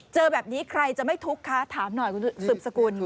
เจอแบบนี้ใครจะไม่ทุกข์คะถามหน่อยคุณสืบสกุล